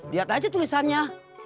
lihat aja tulisannya